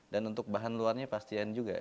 dan untuk bahan luarnya pastian juga